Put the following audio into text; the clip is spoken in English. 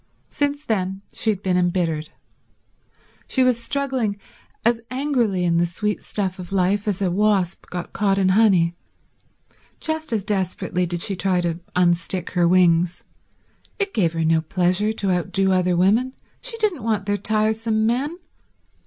Since then she had been embittered. She was struggling as angrily in the sweet stuff of life as a wasp got caught in honey. Just as desperately did she try to unstick her wings. It gave her no pleasure to outdo other women; she didn't want their tiresome men.